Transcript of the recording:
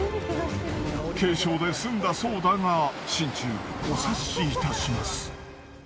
軽傷で済んだそうだが心中お察しいたします。